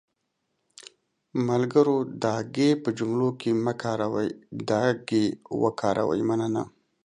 ملګرو دا گ په جملو کې مه کاروٸ، دا ګ وکاروٸ.مننه